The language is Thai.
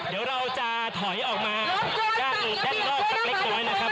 เดี๋ยวเราจะถอยออกมาด้านนอกสักเล็กน้อยนะครับ